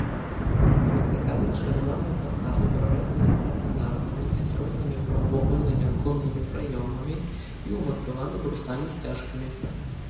Вертыкальна ашаляваныя фасады прарэзаны адзінарнымі і строенымі прамавугольнымі аконнымі праёмамі і ўмацаваны брусамі-сцяжкамі.